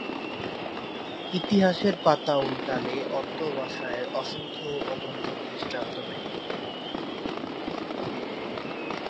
ইতিহাসের পাতা উল্টালে অধ্যবসায়ের অসংখ্য ও অগণিত দৃষ্টান্ত মেলে।